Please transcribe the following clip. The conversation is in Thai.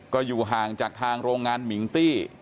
ก็อยู่ห่างจากทางโรงงานมิงตี้